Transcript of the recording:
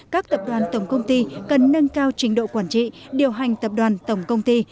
các tập đoàn tổng công ty cần nâng cao trình độ quản trị điều hành tập đoàn tổng công ty